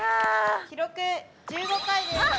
記録１５回です！